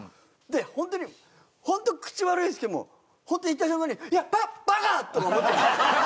本当に本当口悪いですけどもう本当行った瞬間に「いやババカ！」とか思っちゃったの。